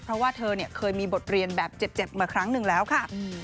เพราะว่าเธอเคยมีบทเรียนแบบเจ็บมาครั้งหนึ่งแล้วค่ะ